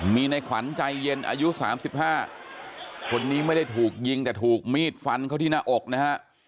มีในขวัญใจเย็นอายุ๓๕คนนี้ไม่ได้ถูกยิงแต่ถูกมีดฟันเข้าที่หน้าอกนะฮะ